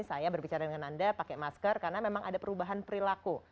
saya berbicara dengan anda pakai masker karena memang ada perubahan perilaku